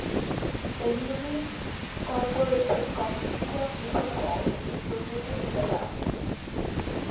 The unincorporated community of Little Falls is located in the town.